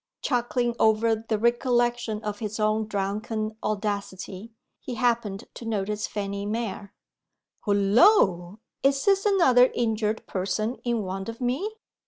Chuckling over the recollection of his own drunken audacity, he happened to notice Fanny Mere. "Hullo! is this another injured person in want of me?